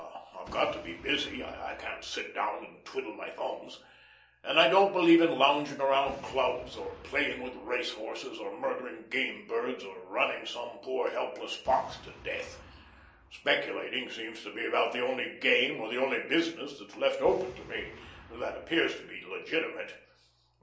I've got to be busy. I can't sit down and twiddle my thumbs. And I don't believe in lounging around clubs, or playing with race horses, or murdering game birds, or running some poor, helpless fox to death. Speculating seems to be about the only game, or the only business that's left open to me that appears to be legitimate.